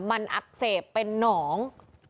มันอักเสบเป็นหนอง